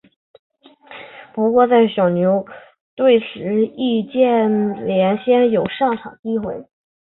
不过在小牛队时易建联鲜有上场机会。